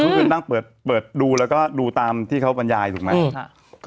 อืมเขาคือนั่งเปิดเปิดดูแล้วก็ดูตามที่เขาบรรยายถูกไหมอืมค่ะ